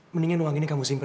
mendingan uang ini kamu simpan